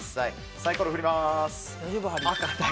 サイコロを振ります。